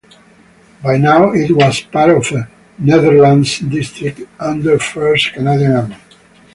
By now it was part of Netherlands District under First Canadian Army.